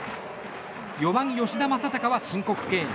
４番、吉田正尚は申告敬遠。